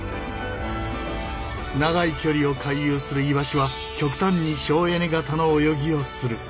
長い距離を回遊するイワシは極端に省エネ型の泳ぎをする。